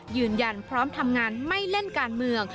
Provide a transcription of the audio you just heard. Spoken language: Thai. ยืนยันพร้อมทำงานไม่เล่นการเมือง